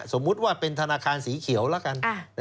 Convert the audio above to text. สมมุติว่าเป็นธนาคารสีเขียวแล้วกัน